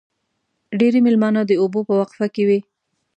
ډېری مېلمانه د اوبو په وقفه کې وي.